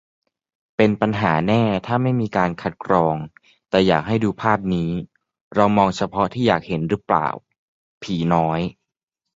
เป็นปัญหาแน่ถ้าไม่มีการคัดกรอง แต่อยากให้ดูภาพนี้ เรามองเฉพาะที่อยากเห็นรึเปล่า ผีน้อย